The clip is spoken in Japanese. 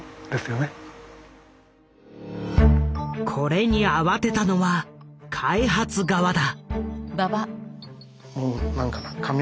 これに慌てたのは開発側だ。